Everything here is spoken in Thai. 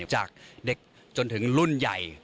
จากเด็กจนถึงรุ่นใหญ่